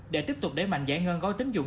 để tiếp tục đẩy mạnh giải ngân gói tính dụng